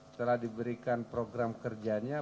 setelah diberikan program kerjanya